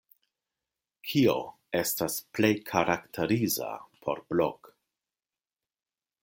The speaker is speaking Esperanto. Kio estas plej karakteriza por Blok?